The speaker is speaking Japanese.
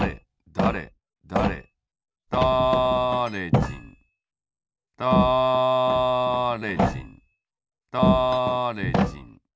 じんだれじんだれじん。